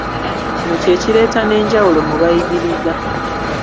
Kino kye kireeta n'enjawulo mu bayigiriza.